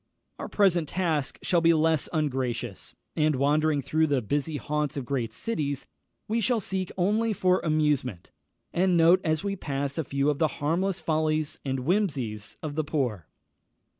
Our present task shall be less ungracious, and wandering through the busy haunts of great cities, we shall seek only for amusement, and note as we pass a few of the harmless follies and whimsies of the poor.